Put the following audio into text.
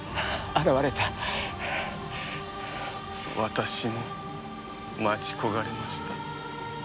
私も待ち焦がれました。